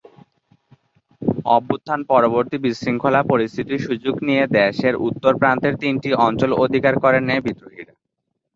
অভ্যুত্থান পরবর্তী বিশৃঙ্খল পরিস্থিতির সুযোগ নিয়ে দেশের উত্তর প্রান্তের তিনটি অঞ্চল অধিকার করে নেয় বিদ্রোহীরা।